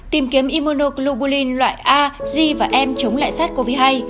tìm kiếm immunoglobulin loại a g và m chống lại sars cov hai